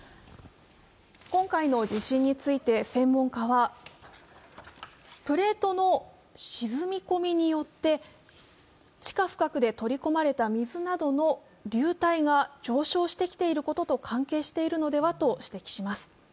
今回の地震について専門家はプレートの沈み込みによって地下深くで取り込まれた水などの流体が上昇してきていることと関係しているのではと指摘します。